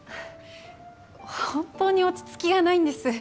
本当に落ち着きがないんです。